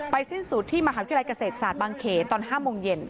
สิ้นสุดที่มหาวิทยาลัยเกษตรศาสตร์บางเขนตอน๕โมงเย็น